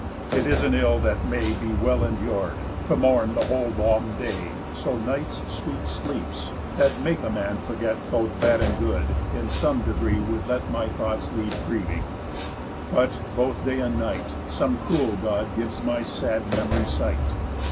It is an ill that may Be well endur'd, to mourn the whole long day, So night's sweet sleeps, that make a man forget Both bad and good, in some degree would let My thoughts leave grieving; but, both day and night, Some cruel God gives my sad memory sight.